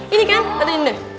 ini kan nanti ini deh